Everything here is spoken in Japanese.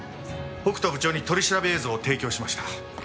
北斗部長に取り調べ映像を提供しました。